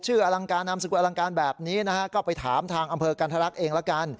ชื่ออลังการนามสังควรอลังการแบบนี้นะฮะก็ไปถามทางอำเภอกันธรรคเองแล้วกัน